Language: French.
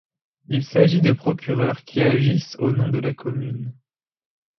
Il s'agit de procureurs qui agissent au nom de la commune.